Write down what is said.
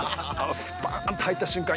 スパーンと入った瞬間